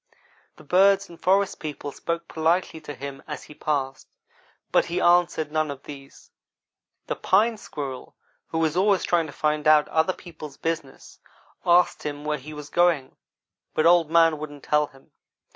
The birds and forest people spoke politely to him as he passed but he answered none of them. The Pine squirrel, who is always trying to find out other people's business, asked him where he was going, but Old man wouldn't tell him.